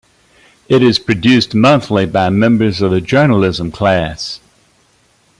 It is produced monthly by members of the journalism class.